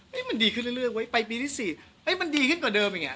เฮ้ยมันดีขึ้นเรื่อยเรื่อยเว้ยไปปีที่สี่เฮ้ยมันดีขึ้นกว่าเดิมอย่างเงี้ย